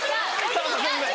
さんまさんすいません。